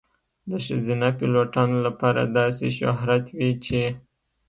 د ښځینه پیلوټانو لپاره داسې شهرت وي چې .